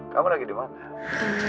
kamu lagi di mana